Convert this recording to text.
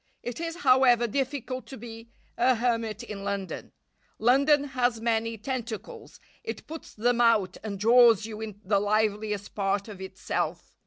It is, however, difficult to be a hermit in London. London has many tentacles; it puts them out and draws you into the liveliest part of itself.